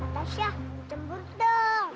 tasya cemberut dong